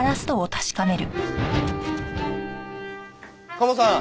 カモさん！